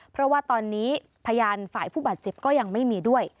เพราะว่าตอนนี้พยานฝ่ายผู้บาดเจ็บก็ยังไม่มีด้วย